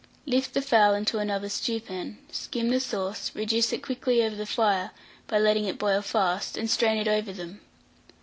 Lift the fowl into another stewpan, skim the sauce, reduce it quickly over the fire, by letting it boil fast, and strain it over them.